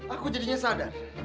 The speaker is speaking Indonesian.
aku jadinya sadar